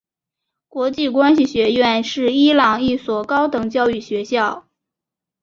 国际关系学院是伊朗一所高等教育学校。